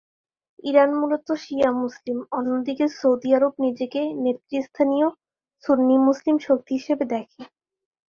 Iran মূলত শিয়া মুসলিম, অন্যদিকে সৌদি আরব নিজেকে নেতৃস্থানীয় সুন্নি মুসলিম শক্তি হিসেবে দেখে।